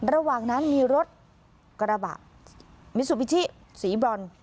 ระหว่างนั้นมีรถกระบะมิซูบิชิสีบรอน